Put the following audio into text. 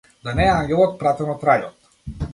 Да не е ангелот пратен од рајот.